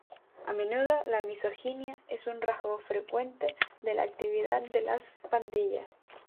A menudo, la misoginia es un rasgo frecuente de la actividad de las pandillas.